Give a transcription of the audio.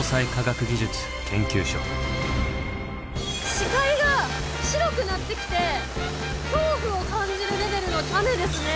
視界が白くなってきて恐怖を感じるレベルの雨ですね。